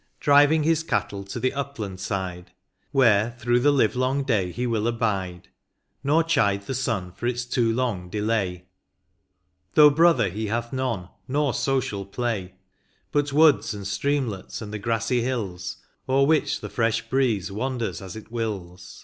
Driving his cattle to the upland side, Where through the livelong day he will abide, Nor chide the sun for its too long delay; Though brother he hath none, nor social play ; But woods, and streamlets, and the grassy hills, O'er which the fresh breeze wanders as it wills.